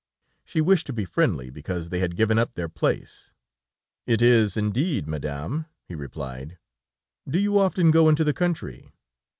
She wished to be friendly, because they had given up their place. "It is, indeed, Madame," he replied; "do you often go into the country?"